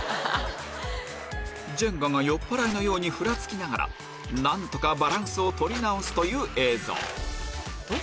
ジェンガが酔っぱらいのようにふらつきながら何とかバランスを取り直すという映像